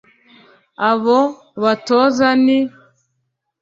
Abo batoza ni